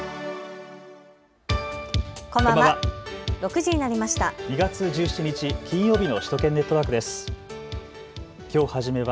こんばんは。